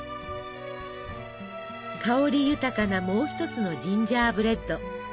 香り豊かなもう一つのジンジャーブレッド。